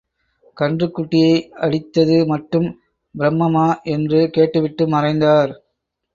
கன்றுக்குட்டியை அடித்தது மட்டும் பிரம்மமா? என்று கேட்டுவிட்டு மறைந்தார்.